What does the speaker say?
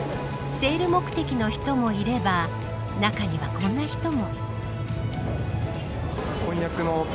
セール目的の人もいれば中には、こんな人も。